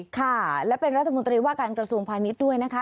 ค่ะและเป็นรัฐมนตรีว่าการกระทรวงพาณิชย์ด้วยนะคะ